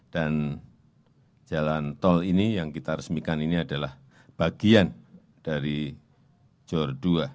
dan jalan tol ini yang kita resmikan ini adalah bagian dari jor dua